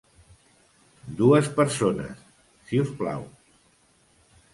Dues persones, si us plau.